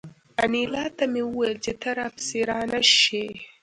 انیلا ته مې وویل چې ته را پسې را نشې